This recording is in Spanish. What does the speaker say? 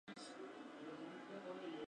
El que sigue al tao se hace uno con el tao.